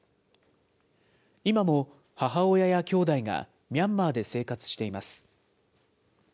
今も母親やきょうだいが、ミャンマーで生活しています。